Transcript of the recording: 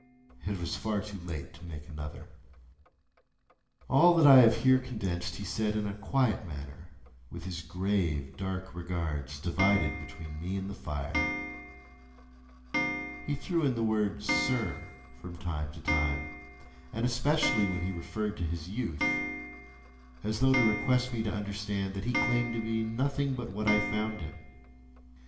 It was far too late to make another. [Picture: The signal man] All that I have here condensed he said in a quiet manner, with his grave, dark regards divided between me and the fire. He threw in the word, "Sir," from time to time, and especially when he referred to his youth,—as though to request me to understand that he claimed to be nothing but what I found him.